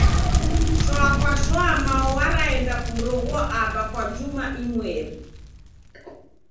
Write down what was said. Shwa kwa shwa Mao waraenda kumroghua Aba kwa juma imweri.